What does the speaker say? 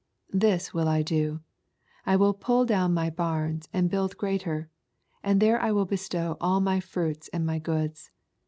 This will I do : 1 will pull down my barns, and build greater ; and there will I bestow al) my fruits and my goods.